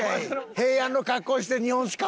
平安の格好して日本酒かぶって。